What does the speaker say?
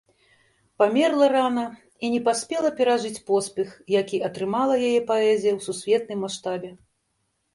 Памерла рана і не паспела перажыць поспех, які атрымала яе паэзія ў сусветным маштабе.